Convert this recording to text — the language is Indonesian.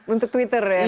untuk twitter ya